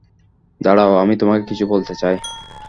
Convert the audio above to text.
দাড়াও, আমি তোমাকে কিছু বলতে চাই।